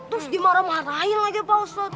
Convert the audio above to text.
terus dimarah marahin aja pak ustadz